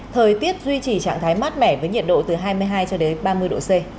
thời tiết duy trì trạng thái mát mẻ với nhiệt độ từ hai mươi hai ba mươi độ c